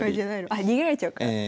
あ逃げられちゃうから。